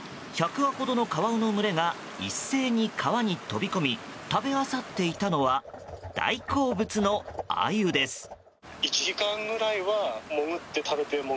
１００羽ほどのカワウの群れが一斉に川に飛び込み食べあさっていたのは大好物のアユです。